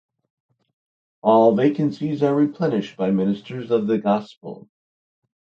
All vacancies are replenished by ministers of the Gospel.